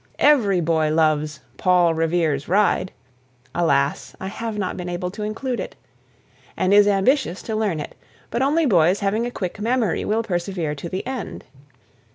Every boy loves "Paul Revere's Ride" (alas! I have not been able to include it), and is ambitious to learn it, but only boys having a quick memory will persevere to the end.